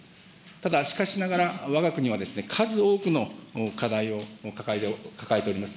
ただ、しかしながらわが国は数多くの課題を抱えております。